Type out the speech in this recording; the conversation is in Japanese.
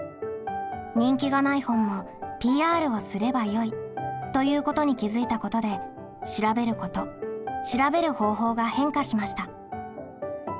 「人気がない本もＰＲをすればよい」ということに気づいたことで「調べること」「調べる方法」が変化しました。